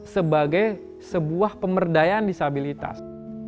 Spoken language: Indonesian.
sebagai sebuah pemberdayaan disabilitas